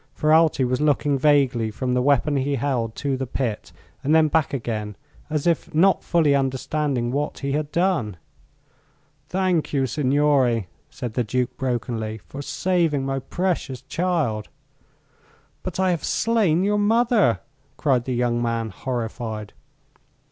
Ferralti was looking vaguely from the weapon he held to the pit, and then back again, as if not fully understanding what he had done. "Thank you, signore," said the Duke, brokenly, "for saving my precious child." "But I have slain your mother!" cried the young man, horrified.